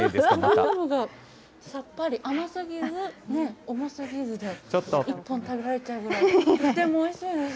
さっぱり、甘すぎず、重すぎずで、１本食べられちゃうぐらい、とてもおいしいです。